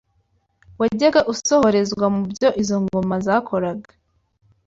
wajyaga usohorezwa mu byo izo ngoma zakoraga.